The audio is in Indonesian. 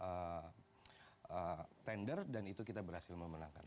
dan kita juga mendapat tender dan itu kita berhasil memenangkan